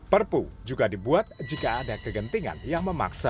perpu juga dibuat jika ada kegentingan yang memaksa